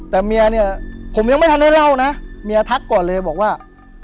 แต่เมียเนี่ยผมยังไม่ทันได้เล่านะเมียทักก่อนเลยบอกว่า